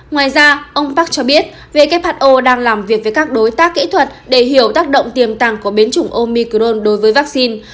ngoài ra ông park cho biết who đang làm việc với các đối tác kỹ thuật để hiểu tác động tiềm tàng của biến chủng omicrone đối với vaccine